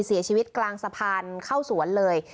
เสียชีวิตกลางสะพานเข้าสวนเลย